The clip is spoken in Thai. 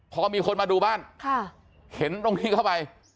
พอมีคนมาดูบ้านเห็นตรงนี้เข้าไป